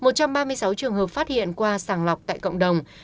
một trăm ba mươi sáu trường hợp phát hiện qua sàng lọc tại cộng đồng